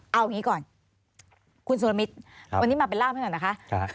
เอาอย่างนี้ก่อนคุณสุรมิตรวันนี้มาเป็นร่ามให้หน่อยนะคะ